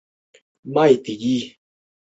父亲是初代藩主上杉景胜。